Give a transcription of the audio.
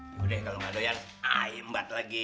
yaudah kalau gak doyan ayah imbat lagi